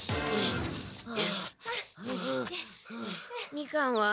みかんは？